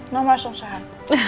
mama sok sehat